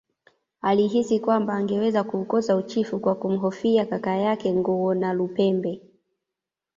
Alihisi kwamba angeweza kuukosa uchifu kwa kumhofia kaka yake Ngawonalupembe